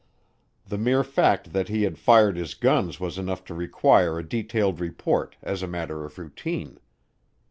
The mere fact that he had fired his guns was enough to require a detailed report, as a matter of routine.